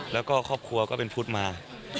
แล้วก็ครอบครัวก็เป็นพุทธมา